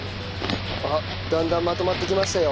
あっだんだんまとまってきましたよ。